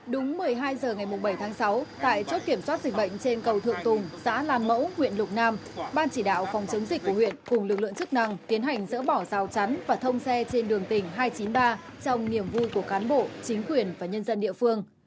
đúng một mươi hai h ngày bảy tháng sáu tại chốt kiểm soát dịch bệnh trên cầu thượng tùng xã làn mẫu huyện lục nam ban chỉ đạo phòng chống dịch của huyện cùng lực lượng chức năng tiến hành dỡ bỏ rào chắn và thông xe trên đường tỉnh hai trăm chín mươi ba trong niềm vui của cán bộ chính quyền và nhân dân địa phương